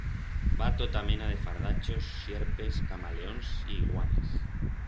B'ha tota mena de fardachos, sierpes, camaleons y iguanas.